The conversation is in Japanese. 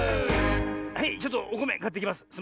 はいちょっとおこめかってきます。